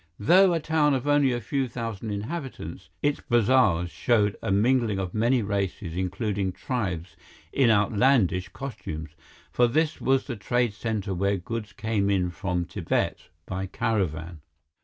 Though a town of only a few thousand inhabitants, its bazaars showed a mingling of many races including tribes in outlandish costumes, for this was the trade center where goods came in from Tibet by caravan.